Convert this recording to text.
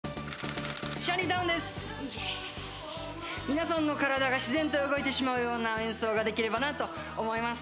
皆さんの体が自然と動いてしまうような演奏ができればなと思います。